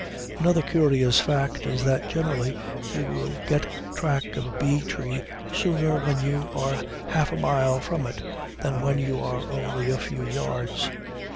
Another curious fact is that generally you will get track of a bee tree sooner when you are half a mile from it than when you are only a few yards.